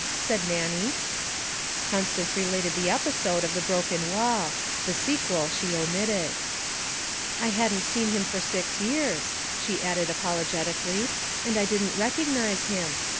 said Nannie. Constance related the episode of the broken wall the sequel she omitted. 'I hadn't seen him for six years,' she added apologetically, 'and I didn't recognize him.